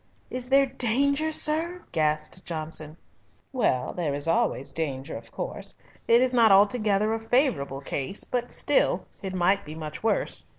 "Is there danger, sir?" gasped Johnson. "Well, there is always danger, of course. It is not altogether a favourable case, but still it might be much worse.